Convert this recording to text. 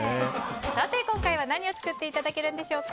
今回は何を作っていただけるんでしょうか。